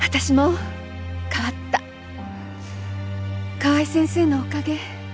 河合先生のおかげ。